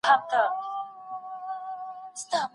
تاسي باید خوشحاله موسیقي واورئ.